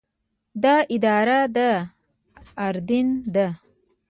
دا اداره د اردن ده.